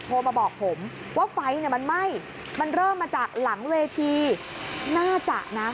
โทรมาบอกผมว่าไฟเนี่ยมันไหม้มันเริ่มมาจากหลังเวทีน่าจะนะ